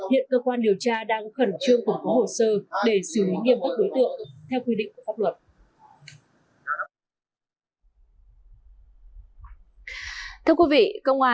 hiện cơ quan điều tra đang khẩn trương phục vụ hồ sơ để xử lý nghiêm bất đối tượng theo quy định của pháp luật